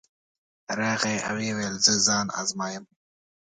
راغی او ویې ویل زه ځان ازمایم.